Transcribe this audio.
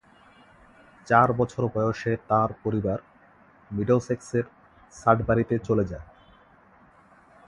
চার বছর বয়সে তাঁর পরিবার মিডলসেক্সের সাডবারিতে চলে যায়।